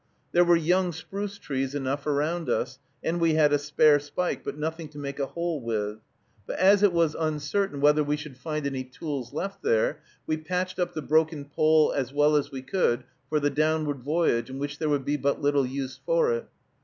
There were young spruce trees enough around us, and we had a spare spike, but nothing to make a hole with. But as it was uncertain whether we should find any tools left there, we patched up the broken pole, as well as we could, for the downward voyage, in which there would be but little use for it.